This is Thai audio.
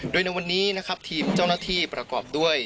โดยในวันนี้นะครับทีมเจ้าหน้าที่ประกอบด้วย